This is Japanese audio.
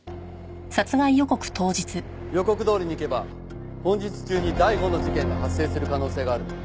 予告どおりにいけば本日中に第５の事件が発生する可能性がある。